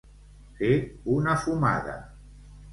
Fer una fumada.